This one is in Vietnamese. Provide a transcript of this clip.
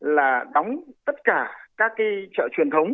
là đóng tất cả các chợ truyền thống